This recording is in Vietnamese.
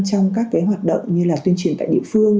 trong các cái hoạt động như là tuyên truyền tại địa phương